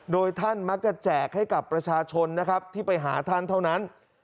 โดยท่านมักจะแจกให้กับประชาชนนะครับที่ไปหาท่านเท่านั้น